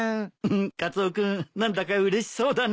カツオ君何だかうれしそうだね。